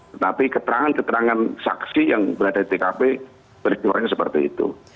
tetapi keterangan keterangan saksi yang berada di tkp peristiwanya seperti itu